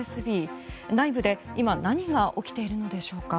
内部で今何が起きているのでしょうか。